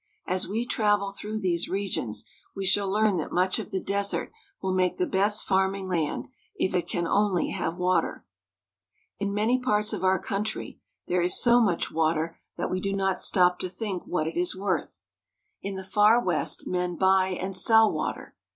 As we travel through these regions, we shall learn that much of the desert will make the best farming land if it can only have water. In many parts of our country there is so much water 262 THE ROCKY MOUNTAIN REGION. that we do not stop to think what it is worth. In the far West men buy and sell water.